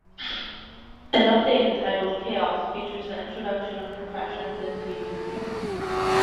An update entitled "Chaos" features the introduction of professions, and PvP.